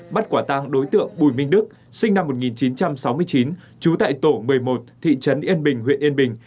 bắt quả tang đối tượng bùi minh đức sinh năm một nghìn chín trăm sáu mươi chín trú tại tổ một mươi một thị trấn yên bình huyện yên bình